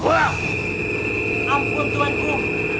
ampun tuhan ku